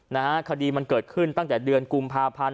นะฮะคดีมันเกิดขึ้นตั้งแต่เดือนกุมภาพันธ์